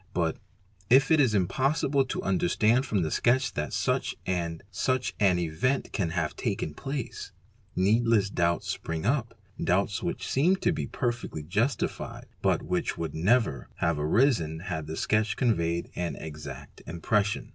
But if it is impossible to understand from the sketch that such and such an event can have taken place, needless doubts spring u 0; doubts which seem to be perfectly justified but which would never have arisen had the sketch conveyed an "exact impression"'.